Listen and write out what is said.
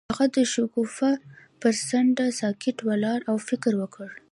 هغه د شګوفه پر څنډه ساکت ولاړ او فکر وکړ.